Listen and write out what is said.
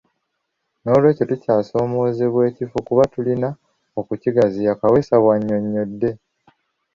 Noolwekyo tukyasoomoozebwa ekifo kuba tulina okukigaziya.” Kaweesa bw'annyonnyodde.